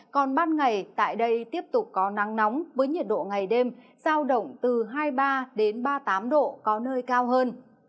còn ban ngày tại đây tiếp tục có nắng nóng với nhiệt độ ngày đêm giao động từ hai mươi ba đến ba mươi tám độ có nơi cao hơn